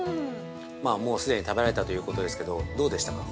もう既に食べられたということですけどどうでしたか。